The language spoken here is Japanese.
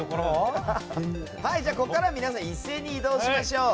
ここからは皆さん一斉に移動しましょう。